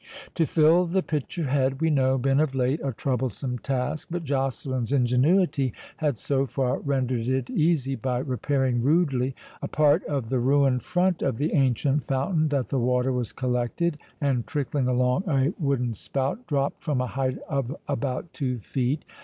To fill the pitcher had, we know, been of late a troublesome task; but Joceline's ingenuity had so far rendered it easy, by repairing rudely a part of the ruined front of the ancient fountain, that the water was collected, and trickling along a wooden spout, dropped from a height of about two feet.